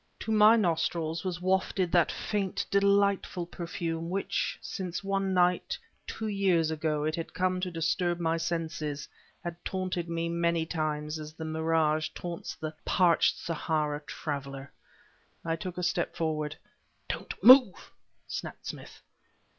To my nostrils was wafted that faint, delightful perfume which, since one night, two years ago, it had come to disturb my senses, had taunted me many times as the mirage taunts the parched Sahara traveler. I took a step forward. "Don't move!" snapped Smith.